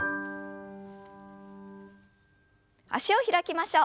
脚を開きましょう。